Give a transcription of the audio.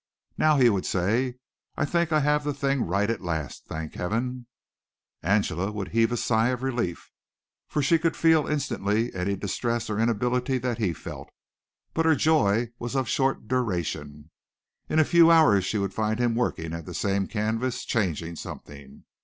"Now," he would say, "I think I have that thing right at last, thank heaven!" Angela would heave a sigh of relief, for she could feel instantly any distress or inability that he felt, but her joy was of short duration. In a few hours she would find him working at the same canvas changing something.